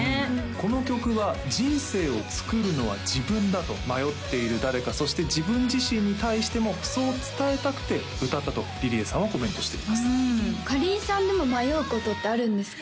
この曲は人生をつくるのは自分だと迷っている誰かそして自分自身に対してもそう伝えたくて歌ったとＲｉＲｉＥさんはコメントしていますかりんさんでも迷うことってあるんですか？